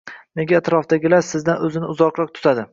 Nega atrofdagilar sizdan o‘zini uzoqroq tutadi?